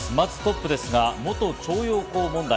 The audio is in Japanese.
まずトップですが、元徴用工問題。